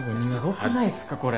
すごくないっすかこれ。